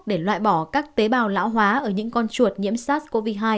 để loại bỏ các tế bào lão hóa ở những con chuột nhiễm sars cov hai